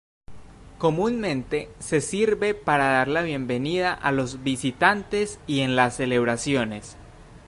Comúnmente se sirve para dar la bienvenida a los visitantes y en las celebraciones.